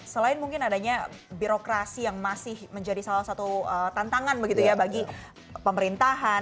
selain mungkin adanya birokrasi yang masih menjadi salah satu tantangan begitu ya bagi pemerintahan